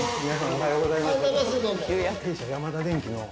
おはようございます。